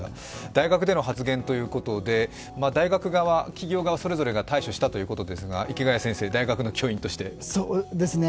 大学での発言ということで大学側、企業側それぞれが対処したということですが池谷先生、大学の教員として。